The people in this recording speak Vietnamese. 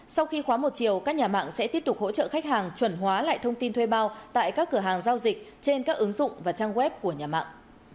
sau khi khóa một chiều các nhà mạng sẽ tiếp tục hỗ trợ khách hàng chuẩn hóa lại thông tin thuê bao tại các cửa hàng giao dịch trên các ứng dụng và trang web của nhà mạng